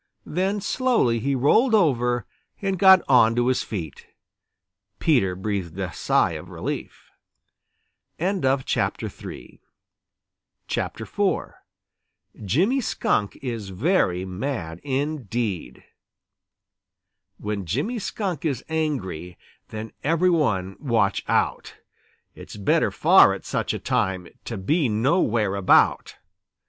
Then slowly he rolled over and got on to his feet. Peter breathed a sigh of relief. IV JIMMY SKUNK IS VERY MAD INDEED When Jimmy Skunk is angry Then every one watch out! It's better far at such a time To be nowhere about.